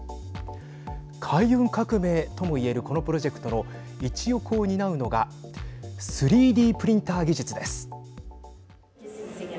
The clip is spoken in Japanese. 海運革命ともいえるこのプロジェクトの一翼を担うのが３Ｄプリンター技術です。